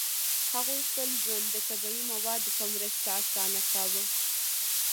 هغوی خپل ژوند د طبیعي موادو په مرسته اسانه کاوه.